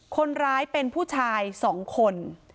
คนร้ายเป็นผู้ชาย๒คน